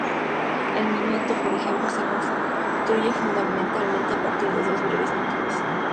El minueto, por ejemplo, se construye fundamentalmente a partir de dos breves motivos.